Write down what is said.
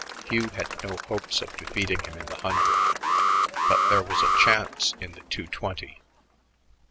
Hugh had no hopes of defeating him in the hundred, but there was a chance in the two twenty.